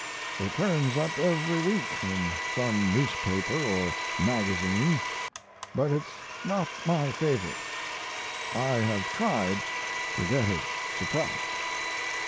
It turns up every week in some newspaper or magazine; but it's not my favorite; I have tried to get it suppressed."